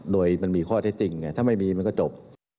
โดยมันมีข้อเท็จจริงไงถ้าไม่มีมันก็จบ